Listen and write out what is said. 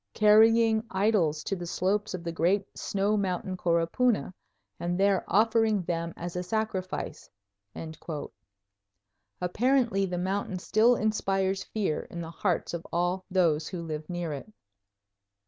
carrying idols to the slopes of the great snow mountain Coropuna, and there offering them as a sacrifice." Apparently the mountain still inspires fear in the hearts of all those who live near it.